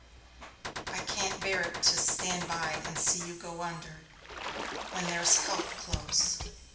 "I can't bear it to stand by and see you go under, when there's help close.